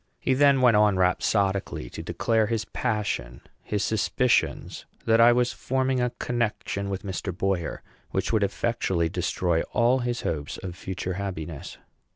He then went on rhapsodically to declare his passion; his suspicions that I was forming a connection with Mr. Boyer, which would effectually destroy all his hopes of future happiness.